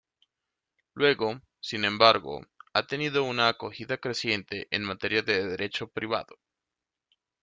Luego, sin embargo, ha tenido una acogida creciente en materias de derecho privado.